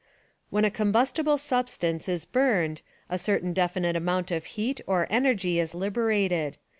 When a combustible substance is burned a certain definite amount of heat or energy is liberated.